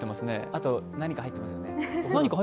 あと何か入ってますよね？